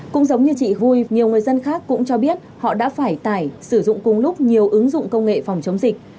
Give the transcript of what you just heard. cũng giống như chị vui nhiều người dân khác cũng cho biết họ đã phải tải sử dụng cùng lúc nhiều ứng dụng công nghệ phòng chống dịch